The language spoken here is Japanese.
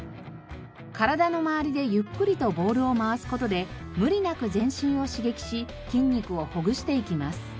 体のまわりでゆっくりとボールを回す事で無理なく全身を刺激し筋肉をほぐしていきます。